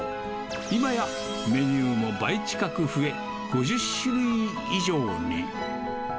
今やメニューも倍近く増え、５０種類以上に。